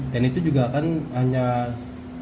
dan itu juga kan hanya dua puluh satu malam kan